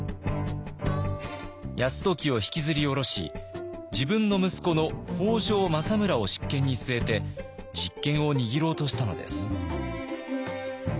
泰時を引きずり降ろし自分の息子の北条政村を執権に据えて実権を握ろうとしたのです。